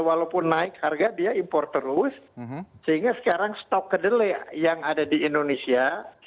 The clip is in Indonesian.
walaupun naik harga dia impor terus sehingga sekarang stok kedelai yang ada di indonesia